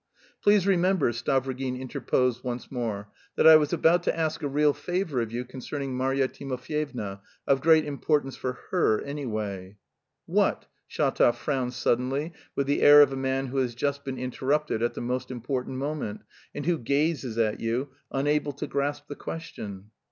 "Please remember," Stavrogin interposed once more, "that I was about to ask a real favour of you concerning Marya Timofyevna, of great importance for her, anyway...." "What?" Shatov frowned suddenly with the air of a man who has just been interrupted at the most important moment, and who gazes at you unable to grasp the question.